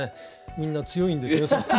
みんな強いんですよ。